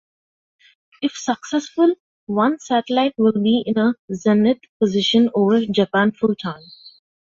If successful, one satellite will be in a zenith position over Japan full-time.